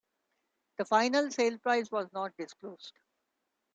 The final sale price was not disclosed.